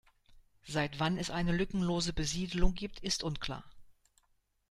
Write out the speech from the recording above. Seit wann es eine lückenlose Besiedelung gibt, ist unklar.